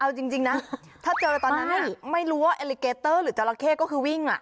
เอาจริงนะถ้าเจอตอนนั้นไม่รู้ว่าเอลิเกเตอร์หรือจราเข้ก็คือวิ่ง